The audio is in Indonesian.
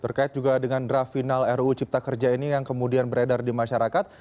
terkait juga dengan draft final ruu cipta kerja ini yang kemudian beredar di masyarakat